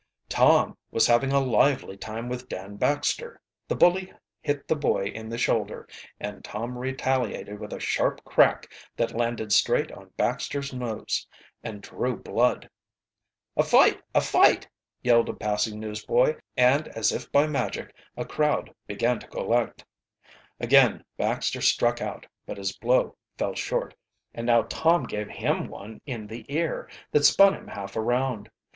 Tom was having a lively time with Dan Baxter. The bully hit the boy in the shoulder, and Tom retaliated with a sharp crack that landed straight on Baxter's nose and drew blood. "A fight! a fight!" yelled a passing newsboy, and as if by magic a crowd began to collect. Again Baxter struck out, but his blow fell short, and now Tom gave him one in the ear that spun him half around.